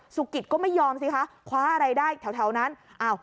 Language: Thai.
สุกิตก็ไม่ยอมสิคะคว้าอะไรได้แถวนั้นอ้าว